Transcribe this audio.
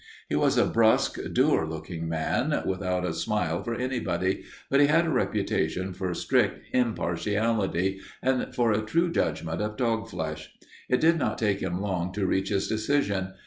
He was a brusque, dour looking man, without a smile for anybody, but he had a reputation for strict impartiality and for a true judgment of dog flesh. It did not take him long to reach his decision.